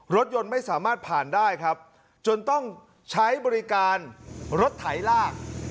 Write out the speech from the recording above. รถยนต์ไม่สามารถผ่านได้ครับจนต้องใช้บริการรถไถลาก